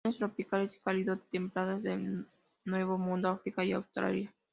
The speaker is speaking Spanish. En regiones tropicales y cálido-templadas del Nuevo Mundo, África, y Australia.